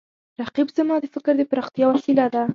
رقیب زما د فکر د پراختیا وسیله ده